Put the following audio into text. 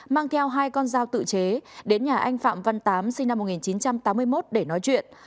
mang theo hai con dao tự chế đến nhà anh phạm văn tám sinh năm một nghìn chín trăm tám mươi một để nói chuyện